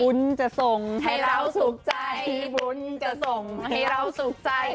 จะส่งให้เราสุขใจบุญจะส่งให้เราสุขใจ